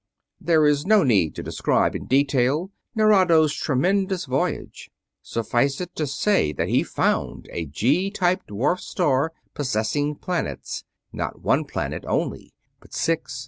There is no need to describe in detail Nerado's tremendous voyage. Suffice it to say that he found a G type dwarf star possessing planets not one planet only, but six